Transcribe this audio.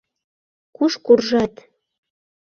Куш куржат!..